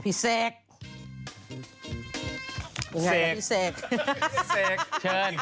เป็นไงบ้างพี่เสกชันเสก